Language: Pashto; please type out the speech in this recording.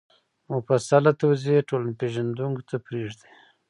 مفصله توضیح ټولنپېژندونکو ته پرېږدي